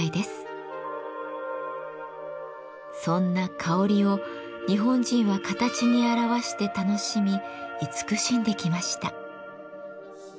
そんな香りを日本人は形に表して楽しみ慈しんできました。